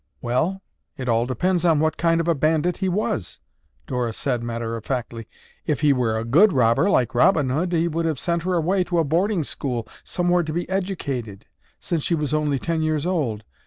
"Well, it all depends on what kind of a bandit he was," Dora said matter of factly. "If he were a good robber like Robin Hood, he would have sent her away to a boarding school somewhere to be educated, since she was only ten years old.